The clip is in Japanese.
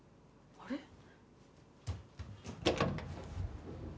あれ？